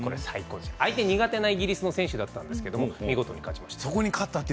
相手、苦手なイギリスの選手でしたが見事に勝ちました。